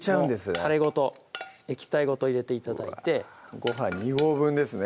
タレごと液体ごと入れて頂いてご飯２合分ですね